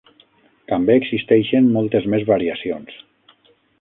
També existeixen moltes més variacions.